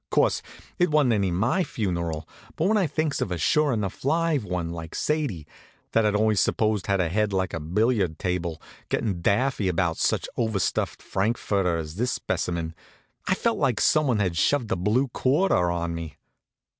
Course, it wa'n't any of my funeral, but when I thinks of a sure enough live one, like Sadie, that I'd always supposed had a head like a billiard table, gettin' daffy about any such overstuffed frankfurter as this specimen, I felt like someone had shoved a blue quarter on me.